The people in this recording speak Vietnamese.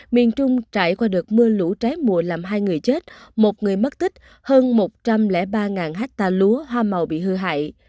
miền trung trải qua đợt mưa lũ trái mùa làm hai người chết một người mất tích hơn một trăm linh ba ha lúa hoa màu bị hư hại